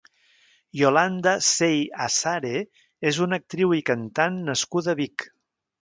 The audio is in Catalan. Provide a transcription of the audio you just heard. Yolanda Sey Asare és una actriu i cantant nascuda a Vic.